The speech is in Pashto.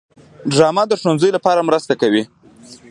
ډرامه د ښوونځیو لپاره مرسته کوي